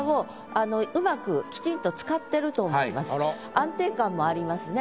安定感もありますね。